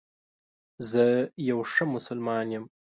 زه یو ښه مسلمان یم